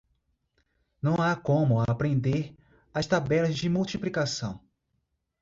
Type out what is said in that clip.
Não há como aprender as tabelas de multiplicação.